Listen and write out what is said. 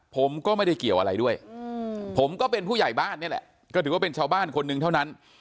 ผมก็ไม่ได้เกี่ยวอะไรด้วยผมก็เป็นผู้ใหญ่บ้านนี่แหละก็ถือว่าเป็นชาวบ้านคนหนึ่งเท่านั้น